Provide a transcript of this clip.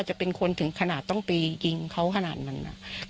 จะเป็นคนถึงขนาดต้องไปยิงเขาขนาดนั้น